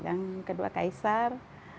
yang kedua kaisar